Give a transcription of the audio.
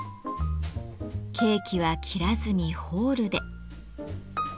ケーキは切らずにホールで。